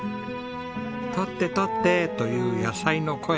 採って採ってという野菜の声